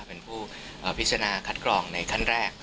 เป็นผู้พิจารณาคัดกรองในขั้นแรก